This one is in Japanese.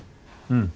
うん。